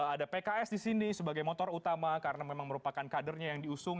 ada pks di sini sebagai motor utama karena memang merupakan kadernya yang diusung